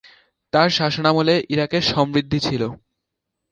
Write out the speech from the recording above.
তার শাসনামলে ইরাকে সমৃদ্ধি ছিল।